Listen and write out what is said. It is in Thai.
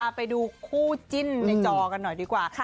ไปดูคู่จิ้นในจอกันหน่อยดีกว่าค่ะ